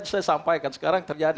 saya sampaikan sekarang terjadi